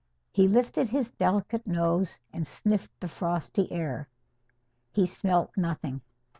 He lifted his delicate nose and sniffed the frosty air. He smelt nothing.